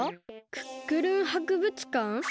「クックルン博物館」？